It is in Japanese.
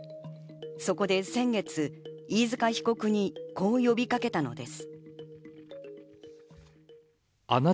そこで先月、飯塚被告にこう呼びかけたのです。